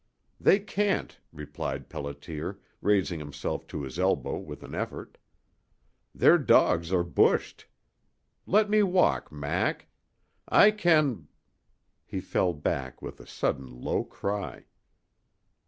"They can't," replied Pelliter, raising himself to his elbow with an effort. "Their dogs are bushed. Let me walk, Mac. I can " He fell back with a sudden low cry.